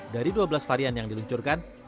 dari dua belas varian yang diluncurkan